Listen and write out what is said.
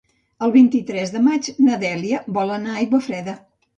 El vint-i-tres de maig na Dèlia vol anar a Aiguafreda.